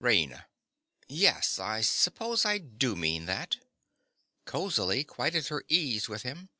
RAINA. Yes, I suppose I do mean that. (_Cosily, quite at her ease with him.